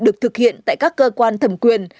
được thực hiện tại các cơ quan thẩm quyền